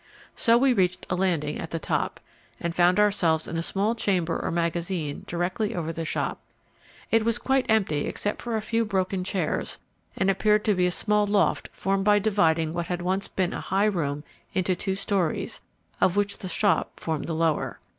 So we reached a landing at the top, and found ourselves in a small chamber or magazine directly over the shop. It was quite empty except for a few broken chairs, and appeared to be a small loft formed by dividing what had once been a high room into two storeys, of which the shop formed the lower.